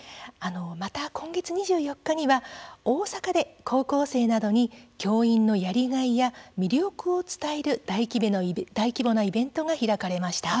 また今月２４日には大阪で高校生などに教員のやりがいや魅力を伝える大規模なイベントが開かれました。